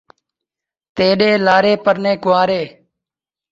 تتی دی ڄئی، غریب دے ڳل لئی